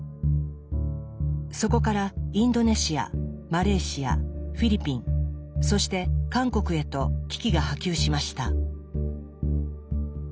そこからインドネシアマレーシアフィリピンそして韓国へと危機が波及しました。